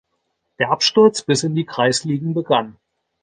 Der Absturz bis in die Kreisligen begann.